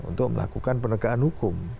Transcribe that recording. untuk melakukan penegakan hukum